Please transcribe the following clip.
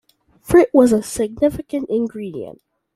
Frit was a significant ingredient.